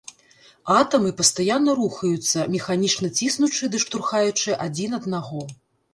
Атамы пастаянна рухаюцца, механічна ціснучы ды штурхаючы адзін аднаго.